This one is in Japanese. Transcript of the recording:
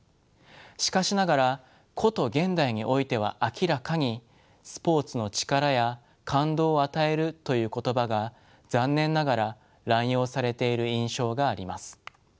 しかしながらこと現代においては明らかに「スポーツの力」や「感動を与える」という言葉が残念ながら濫用されている印象があります。